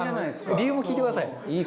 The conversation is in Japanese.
理由も聞いてください。